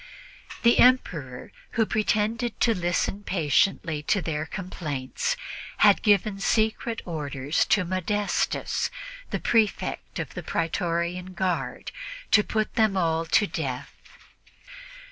The Emperor, who pretended to listen patiently to their complaints, had given secret orders to Modestus, the Prefect of the Pretorian Guard, to put them all to death.